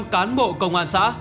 một trăm linh cán bộ công an xã